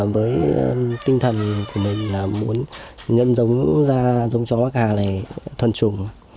với tinh thần của mình là muốn nhân giống ra giống chó bắc hà này thuần trùng